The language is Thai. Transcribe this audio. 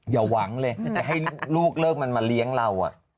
อย่าหวังเลยจะให้ลูกเลิกมันมาเลี้ยงเรา